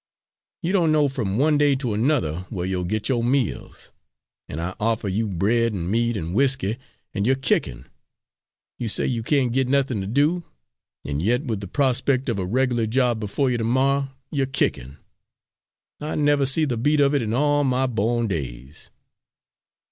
You doan know from one day to another where you'll git yo' meals, an' I offer you bread and meat and whiskey an' you're kickin'! You say you can't git nothin' to do, an' yit with the prospect of a reg'lar job befo' you to morrer you're kickin'! I never see the beat of it in all my bo'n days."